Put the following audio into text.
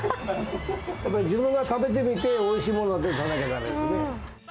やっぱり自分が食べてみて、おいしいものを出さなきゃだめよね。